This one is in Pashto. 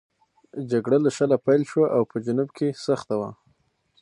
جګړه له شله پیل شوه او په جنوب کې سخته وه.